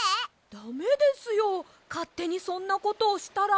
だめですよかってにそんなことをしたら。